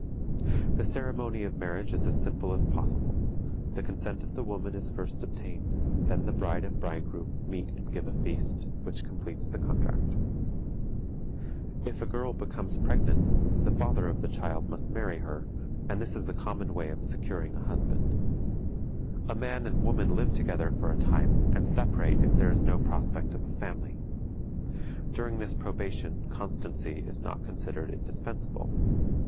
The ceremony of marriage is as simple as possible. The consent of the woman is first obtained, then the bride and bridegroom meet and give a feast, which completes the contract. If a girl becomes pregnant, the father of the child must marry her, and this is a common way of securing a husband. A man and woman live together for a time, and separate if there is no prospect of a family. During this probation constancy is not considered indispensable.